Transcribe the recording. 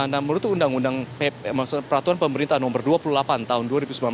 nah menurut undang undang peraturan pemerintahan nomor dua puluh delapan tahun dua ribu sembilan belas